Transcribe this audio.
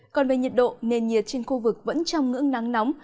còn về nhiệt độ nền nhiệt trên khu vực vẫn trong ngưỡng nắng nóng